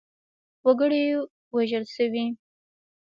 وګړي وژل شوي.